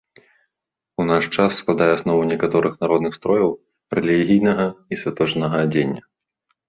У наш час складае аснову некаторых народных строяў, рэлігійнага і святочнага адзення.